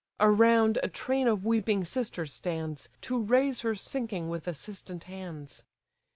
Around a train of weeping sisters stands, To raise her sinking with assistant hands.